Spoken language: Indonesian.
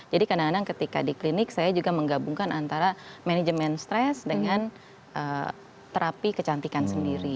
jadi kadang kadang ketika di klinik saya juga menggabungkan antara manajemen stres dengan terapi kecantikan sendiri